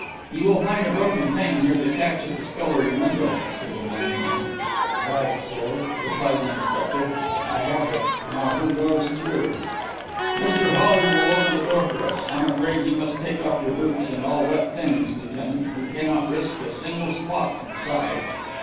"You will find a broken pane near the catch of the scullery window," said the blind man. "Right, sir," replied the inspector. "I have it. Now who goes through?" "Mr Hollyer will open the door for us. I'm afraid you must take off your boots and all wet things, Lieutenant. We cannot risk a single spot inside."